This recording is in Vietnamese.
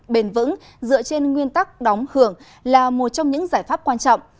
bền vững dựa trên nguyên tắc đóng hưởng là một trong những giải pháp quan trọng